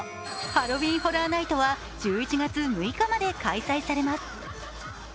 ハロウィーン・ホラー・ナイトは１１月６日まで開催されます。